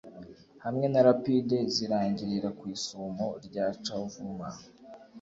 hamwe na rapide zirangirira ku isumo rya chavuma